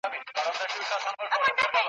چي ما په خپل ټول ژوند کي !.